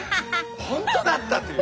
本当だったという。